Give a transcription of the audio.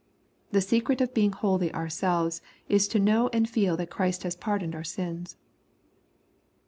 The secret of being holy ourselves, is to know and feel that Christ has pardoned our sins.